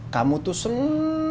kamu tuh seneng